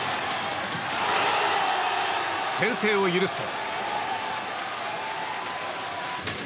先制を許すと。